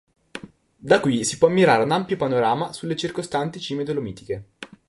Da qui si può ammirare un ampio panorama sulle circostanti cime dolomitiche.